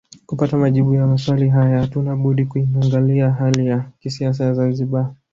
Kupata majibu ya maswali haya hatuna budi kuiangalia hali ya kisiasa ya Zanzibar